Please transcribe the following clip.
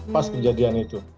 pas kejadian itu